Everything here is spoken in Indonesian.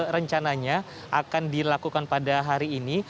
yang serencananya akan dilakukan pada hari ini